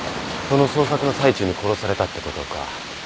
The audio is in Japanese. その捜索の最中に殺されたって事か。